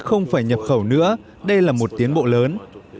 không phải nhập khẩu nữa đây là một tiến bộ lớn